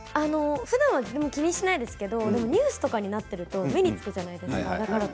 ふだんはあまり気にしないんですがニュースとかになっていると目につくじゃないですか。